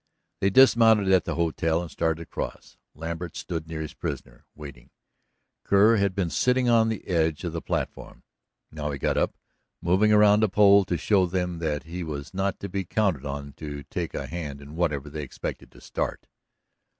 They dismounted at the hotel, and started across. Lambert stood near his prisoner, waiting. Kerr had been sitting on the edge of the platform. Now he got up, moving around the pole to show them that he was not to be counted on to take a hand in whatever they expected to start.